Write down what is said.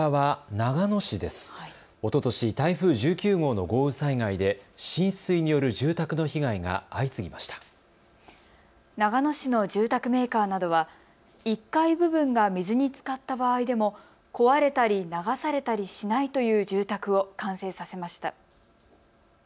長野市の住宅メーカーなどは１階部分が水につかった場合でも壊れたり流されたりしないという住宅を完成させました。